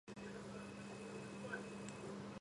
მე მითქვამს და, შენ გინდ დაიჯერე, გინდ არა!